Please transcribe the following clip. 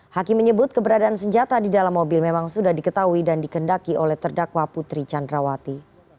hakim menyebut keberadaan senjata di dalam mobil memang sudah diketahui dan dikendaki oleh terdakwa putri candrawati